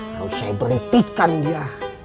harus saya berhentikan dia